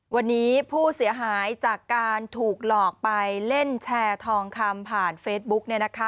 วันนี้ผู้เสียหายจากการถูกหลอกไปเล่นแชร์ทองคำผ่านเฟซบุ๊ก